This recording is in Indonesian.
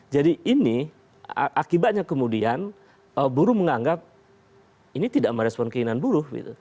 jadi ini akibatnya kemudian buruh menganggap ini tidak merespon keinginan buruh